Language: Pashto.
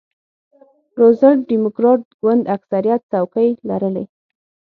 روزولټ ډیموکراټ ګوند اکثریت څوکۍ لرلې.